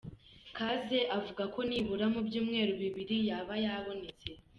Kaze avuga ko nibura mu byumweru bibiri yaba yabonetse.